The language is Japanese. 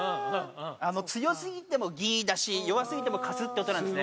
強すぎても「ギ」だし弱すぎても「カス」って音なんですね。